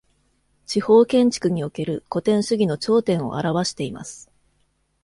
地方建築における古典主義の頂点を表しています。